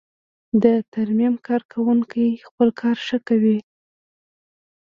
د ترمیم کارکوونکی خپل کار ښه کوي.